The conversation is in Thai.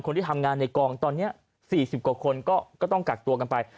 คนที่ทำงานในกองตอนนี้๔๐กว่าคนก็ต้องกักตัวกันไป